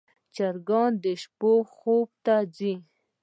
چرګان د شپې خوب ته ځي.